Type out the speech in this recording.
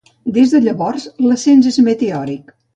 Des de llavors, l'ascens és meteòric.